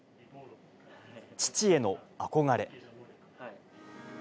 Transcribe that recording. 父への憧れ。